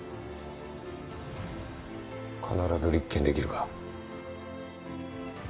必ず立件できるか？